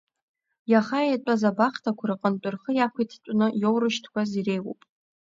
Иахаитәазабахҭақәа рҟынтә рхы иақәиҭҭәны иоурышьҭқәаз иреиуоуп.